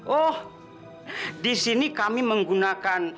oh di sini kami menggunakan